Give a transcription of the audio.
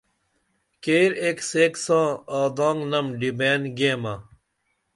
کیر ایک سیک ساں آدانگنم ڈِبئین گیمہ